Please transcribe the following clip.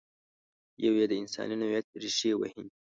یو یې د انساني نوعیت ریښې وهي.